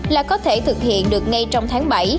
là có thể thực hiện được ngay trong tháng bảy